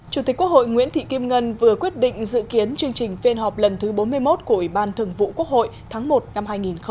chủ tịch quốc hội nguyễn thị kim ngân vừa quyết định dự kiến chương trình phiên họp lần thứ bốn mươi một của ủy ban thường vụ quốc hội tháng một năm hai nghìn hai mươi